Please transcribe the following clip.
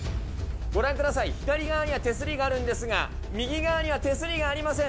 ご覧ください、左側には手すりがあるんですが、右側には手すりがありません。